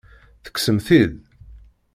Tekksem-t-id?